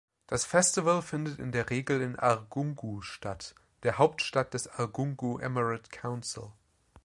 Das Festival findet in der Regel in Argungu statt, der Hauptstadt des Argungu Emirate Council.